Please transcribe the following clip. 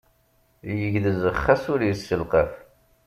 Yegdez xas ur yesselqaf.